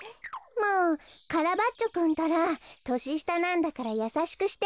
もうカラバッチョくんったら。とししたなんだからやさしくしてあげなきゃ。